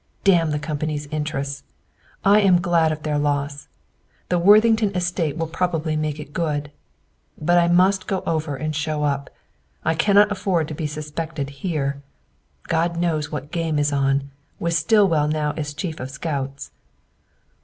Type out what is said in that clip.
"Damn the company's interests! I am glad of their loss. The Worthington Estate will probably make it good. "But I must go over and show up. I cannot afford to be suspected here. God knows what game is on, with Stillwell now as chief of scouts!"